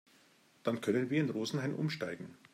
Dann können wir in Rosenheim umsteigen.